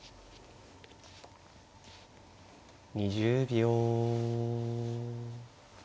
２０秒。